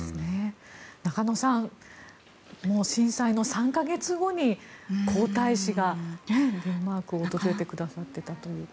中野さん震災の３か月後に皇太子がデンマークを訪れてくださっていたという。